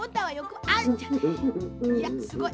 いやすごい。